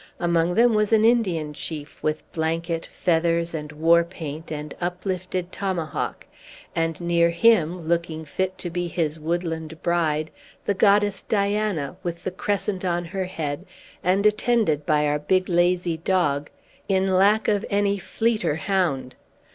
Among them was an Indian chief, with blanket, feathers, and war paint, and uplifted tomahawk; and near him, looking fit to be his woodland bride, the goddess Diana, with the crescent on her head, and attended by our big lazy dog, in lack of any fleeter hound.